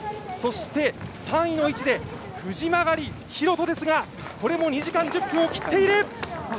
そして、３位の位置で藤曲寛人ですがこれも２時間１０分を切っている！